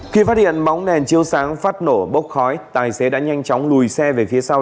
khi phát hiện bóng đèn chiêu sáng phát nổ bốc khói tài xế đã nhanh chóng lùi xe về phía sau